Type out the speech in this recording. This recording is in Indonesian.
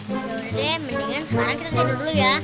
ya udah deh mendingan sekarang kita tidur dulu ya